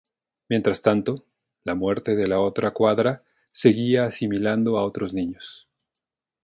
Mientras tanto, La Muerte de la Otra Cuadra seguía asimilando a otros niños.